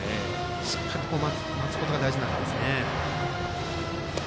しっかり待つことが大事ですね。